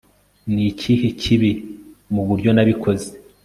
ni ikihe kibi mu buryo nabikoze